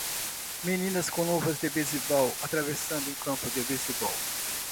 meninas com luvas de beisebol atravessando um campo de beisebol